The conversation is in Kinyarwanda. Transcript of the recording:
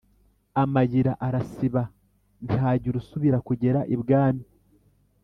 Amayira arasiba, ntihagira usubira kugera ibwami.